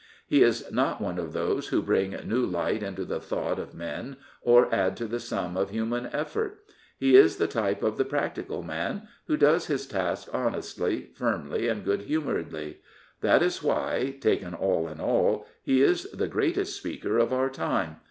He is not one of those who bring new light into the thought of men or add to the sum of human effort. He is the t)q)e of the practical man who does his task honestly, firmly, and good humouredly. That is why, taken all in all, he is the greatest Speaker of our time.